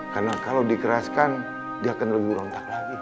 karena kalau dikeraskan dia akan lebih rontak lagi